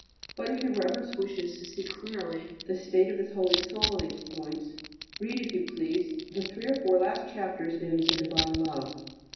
But, if your Reverence wishes to see clearly the state of this holy soul on these points, read, if you please, the three or four last chapters in the "Divine Love."